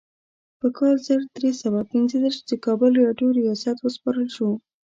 په کال زر درې سوه پنځه دیرش د کابل راډیو ریاست وروسپارل شو.